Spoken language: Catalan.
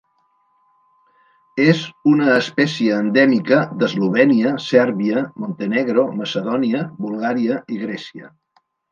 És una espècie endèmica d'Eslovènia, Sèrbia, Montenegro, Macedònia, Bulgària i Grècia.